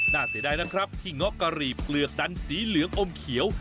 เสียดายนะครับที่เงาะกะหรี่เปลือกดันสีเหลืองอมเขียว